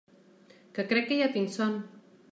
Que crec que ja tinc son.